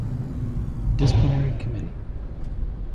Disciplinary committee.